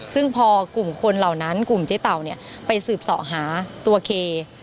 ซึ่งพอกลุ่มคนเหล่านั้นกลุ่มเจ๊เต่าไปสืบส่อหาตัวเค